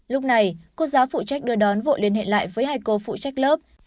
lúc này cô giáo phụ trách đưa đón vội liên hệ lại với hai cô phụ trách lớp